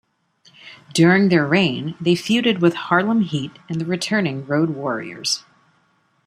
During their reign, they feuded with Harlem Heat and the returning Road Warriors.